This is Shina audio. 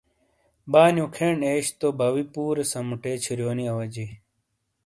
بانیو کھین ایش تو باؤوئی پُورے سَمُوٹے چھُرونی اواجئی